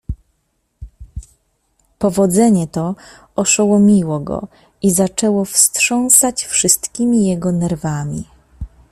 Powodzenie to oszołomiło go i zaczęło wstrząsać wszystkimi jego nerwami.